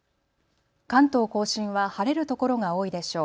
関東甲信は晴れるところが多いでしょう。